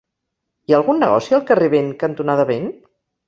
Hi ha algun negoci al carrer Vent cantonada Vent?